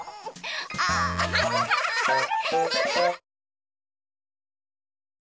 アハハハハ！